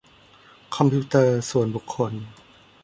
คอมพิวเตอร์ส่วนบุคคล